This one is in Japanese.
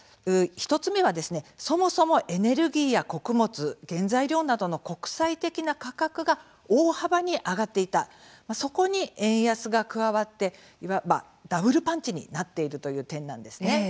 １つ目はですね、そもそもエネルギーや穀物、原材料などの国際的な価格が大幅に上がっていたそこに円安が加わっていわば、ダブルパンチになっているという点なんですね。